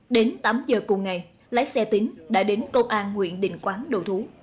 đến tám giờ cùng ngày lái xe tính đã đến công an huyện định quán đầu thú